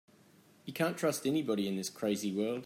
You can't trust anybody in this crazy world.